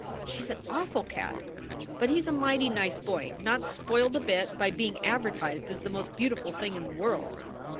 She s an awful cat, but he s a mighty nice boy not spoiled a bit by being advertised as the most beautiful thing in the world.